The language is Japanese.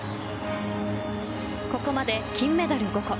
ここまで金メダル５個。